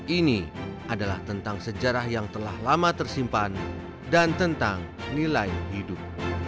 ini adalah tentang sejarah yang telah lama tersimpan dan tentang nilai hidup